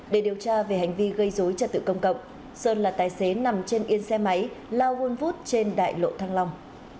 để điều tra về hành vi gây dối trật tự công cộng sơn là tài xế nằm trên yên xe máy lao vôn vút trên đại lộ thăng long